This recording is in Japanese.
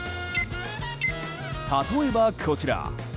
例えば、こちら。